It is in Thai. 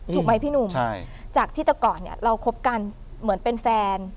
ถูกไหมพี่หนุ่มใช่จากที่แต่ก่อนเนี่ยเราคบกันเหมือนเป็นแฟน